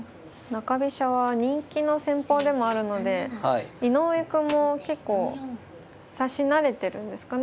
中飛車は人気の戦法でもあるので井上くんも結構指し慣れてるんですかね。